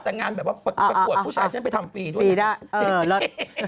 ทางการแบบว่าประกวดผู้ชายฉันไปทำฟรีด้วย